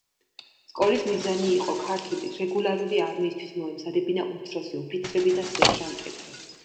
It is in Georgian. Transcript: სკოლის მიზანი იყო ქართული რეგულარული არმიისათვის მოემზადებინა უმცროსი ოფიცრები და სერჟანტები.